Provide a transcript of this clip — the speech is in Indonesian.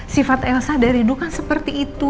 sifat elsa dari dulu kan seperti itu